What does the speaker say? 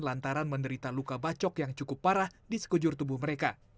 lantaran menderita luka bacok yang cukup parah di sekujur tubuh mereka